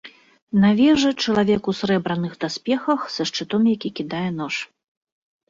На вежы чалавек у сярэбраных даспехах са шчытом, які кідае нож.